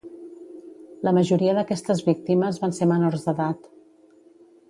La majoria d'aquestes víctimes van ser menors d'edat.